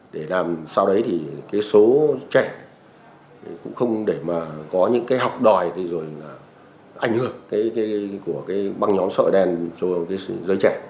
để làm sao đấy thì cái số trẻ cũng không để mà có những cái học đòi rồi là ảnh hưởng của cái băng nhóm sợi đen cho giới trẻ